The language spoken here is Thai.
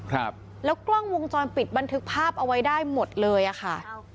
ครับแล้วกล้องวงจรปิดบันทึกภาพเอาไว้ได้หมดเลยอ่ะค่ะ